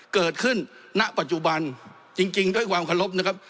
เกิดขึ้นณปัจจุบันจริงด้วยความขอรบนะครับ